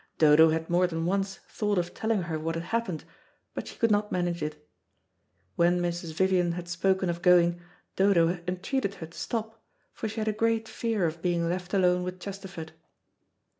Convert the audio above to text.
Dodo had more than once thought of telling her what had happened, but she could not manage it. When Mrs. Vivian had spoken of going, Dodo entreated her to stop, for she had a great fear of being left alone with Chesterford.